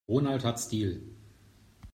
Ronald hat Stil.